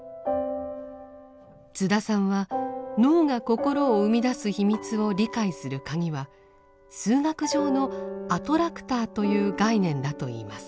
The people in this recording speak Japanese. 津田さんは脳が心を生み出す秘密を理解するカギは数学上の「アトラクター」という概念だといいます。